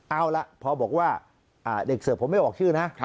เอาล่ะพอบอกว่าเด็กเสิร์ฟผมไม่ออกชื่อนะ